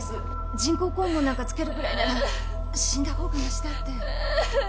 人工肛門なんかつけるぐらいなら死んだ方がマシだって。